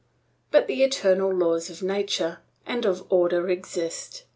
But the eternal laws of nature and of order exist.